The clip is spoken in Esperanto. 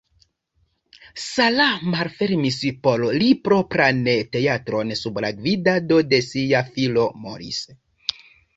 Sarah malfermis por li propran teatron sub la gvidado de sia filo Maurice.